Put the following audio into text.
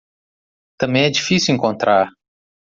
Também é difícil encontrar